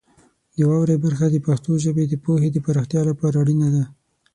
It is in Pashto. د واورئ برخه د پښتو ژبې د پوهې د پراختیا لپاره اړینه ده.